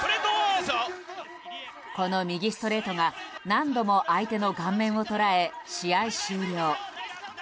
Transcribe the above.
この右ストレートが何度も相手の顔面を捉え試合終了。